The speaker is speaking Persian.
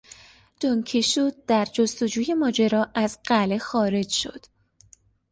دون کیشوت در جستجوی ماجرا از قلعه خارج شد.